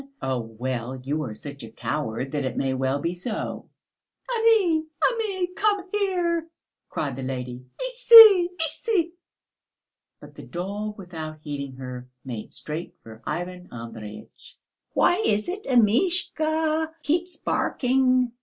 "Oh, well, you are such a coward, that it may well be so." "Ami, Ami, come here," cried the lady; "ici, ici." But the dog, without heeding her, made straight for Ivan Andreyitch. "Why is it Amishka keeps barking?"